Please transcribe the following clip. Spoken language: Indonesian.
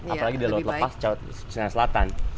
apalagi di laut lepas laut cina selatan